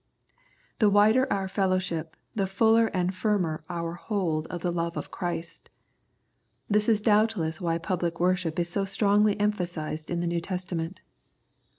The wider our fellowship the fuller and firmer our hold of the love of Christ. This is doubtless why pubHc worship is so strongly emphasised in the New Testament.